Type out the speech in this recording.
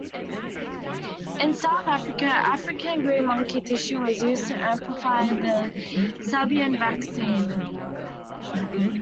In South Africa, African green monkey tissue was used to amplify the Sabin vaccine.